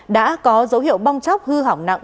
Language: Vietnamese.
đã có dấu hiệu bong chóc hư hỏng nặng